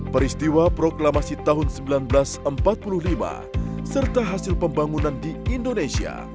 peristiwa proklamasi tahun seribu sembilan ratus empat puluh lima serta hasil pembangunan di indonesia